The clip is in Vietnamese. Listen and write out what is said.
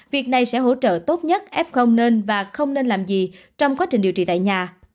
việc này sẽ hỗ trợ tốt nhất f nên và không nên làm gì trong quá trình điều trị tại nhà